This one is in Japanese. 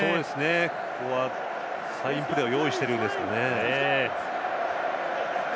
ここはサインプレーを用意しているんですけどね。